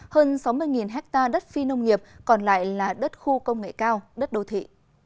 hơn sáu mươi ha đất phi nông nghiệp còn lại là đất khu công nghệ cao đất đô thị